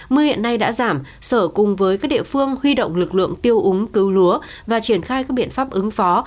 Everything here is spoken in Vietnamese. mưa hiện nay đã giảm sở cùng với các địa phương huy động lực lượng tiêu úng cứu lúa và triển khai các biện pháp ứng phó